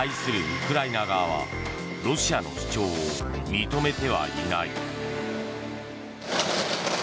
ウクライナ側はロシアの主張を認めてはいない。